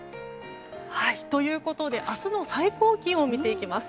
ということで、明日の最高気温を見ていきます。